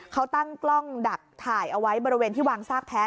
เขาตั้งกล้องดักถ่ายเอาไว้บริเวณที่วางซากแพ้